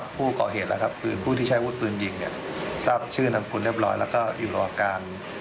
ไปเปิดเกมก่อน